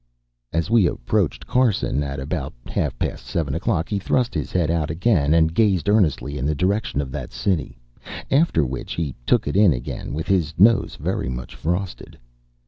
As we approached Carson, at about half past seven o'clock, he thrust his head out again, and gazed earnestly in the direction of that city after which he took it in again, with his nose very much frosted.